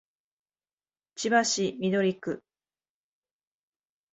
千葉市緑区